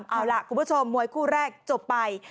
เอาล่ะคุณผู้ชมมวยคู่แรกจบไป